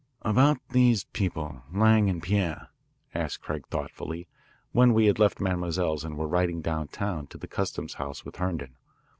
"About these people, Lang & Pierre," asked Craig thoughtfully when we had left Mademoiselle's and were riding downtown to the customs house with Herndon.